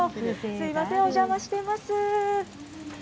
すみません、お邪魔してます。